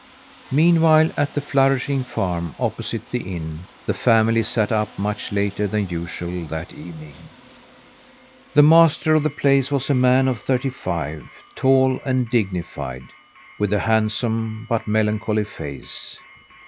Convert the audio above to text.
Meanwhile, at the flourishing farm opposite the inn, the family sat up much later than usual that evening. The master of the place was a man of thirty five, tall and dignified, with a handsome but melancholy face.